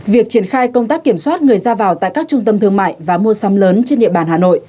việc triển khai công tác kiểm soát người ra vào tại các trung tâm thương mại và mua sắm lớn trên địa bàn hà nội